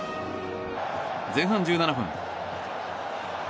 前半１７分。